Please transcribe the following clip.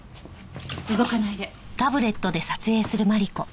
動かないで。